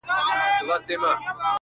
• له درنو درنوبارو وم تښتېدلی -